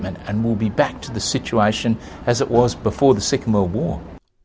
dan kita akan kembali ke situasi yang seperti sebelum perang kedua dunia